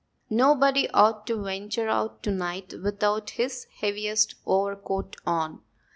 Nobody ought to venture out to night without his heaviest overcoat on."